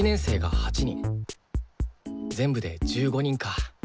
全部で１５人か。